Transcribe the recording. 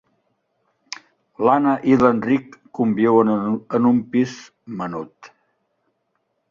L'Anna i l'Enric conviuen en un pis menut.